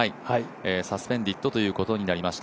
サスペンデッドということになりました。